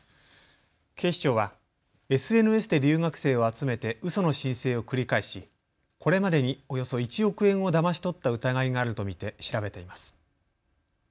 警視庁はＳＮＳで留学生を集めてうその申請を繰り返し、これまでに、およそ１億円をだまし取った疑いがあると見て調べています。